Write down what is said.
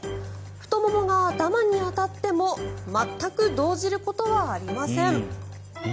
太ももが頭に当たっても全く動じることはありません。